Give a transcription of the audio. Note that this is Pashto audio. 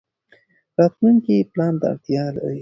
راتلونکی پلان ته اړتیا لري.